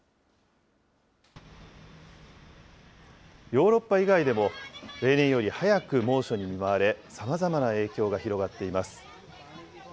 ヨーロッパ以外でも、例年より早く猛暑に見舞われ、さまざまな影響が広がっています。